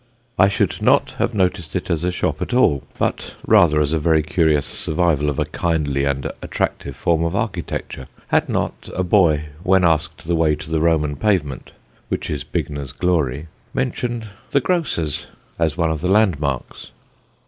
I should not have noticed it as a shop at all, but rather as a very curious survival of a kindly and attractive form of architecture, had not a boy, when asked the way to the Roman pavement, which is Bignor's glory, mentioned "the grocer's" as one of the landmarks.